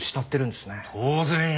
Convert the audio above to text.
当然よ。